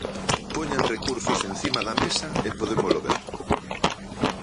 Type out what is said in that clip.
Poñan recursos encima da mesa e podémolo ver.